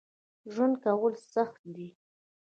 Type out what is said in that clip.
ژوند کول سخت دي